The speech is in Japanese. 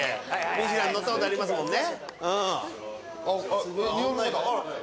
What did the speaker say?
ミシュラン載ったことありますもんね